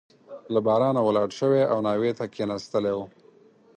له بارانه ولاړ شوی او ناوې ته کښېنستلی وو.